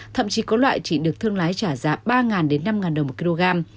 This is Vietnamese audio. thậm chí có loại chỉ được thương lái trả giá ba đến năm đồng một kg